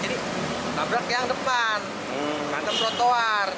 jadi nabrak yang depan nanti protowar